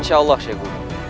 insya allah syekh guru